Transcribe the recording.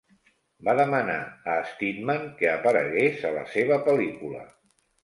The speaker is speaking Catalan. Va demanar a Steadman que aparegués a la seva pel·lícula.